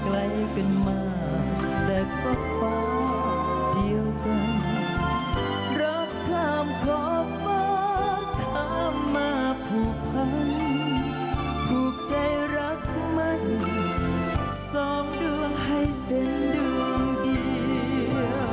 รบข้ามขอบฟ้าถ้ามหมาภูกพันธ์ภูกใจรักมันสองด้วยให้เป็นดวงเดียว